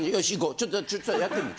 ちょっとやってみよ。